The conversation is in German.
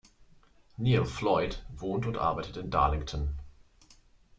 Neale Floyd wohnt und arbeitet in Darlington.